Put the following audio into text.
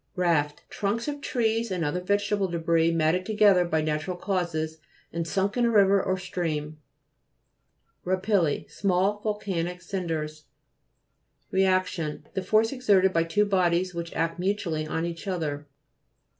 69). RAFT Trunks of trees and other vegetable debris matted together, by natural causes, and sunk in a river or stream. RAG (p. 59). RAPI'LLI Small volcanic cinders. REACTION The force exerted by two bodies which act mutually on each other.